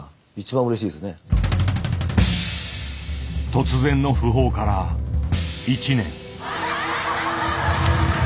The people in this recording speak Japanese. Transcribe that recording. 突然の訃報から１年。